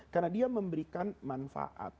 karena dia memberikan manfaat